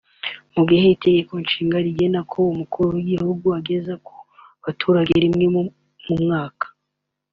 Mu gihe Itegeko Nshinga rigena ko Umukuru w’Igihugu ageza ku baturage rimwe mu mwaka